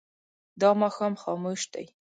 دا ماښام خاموش دی.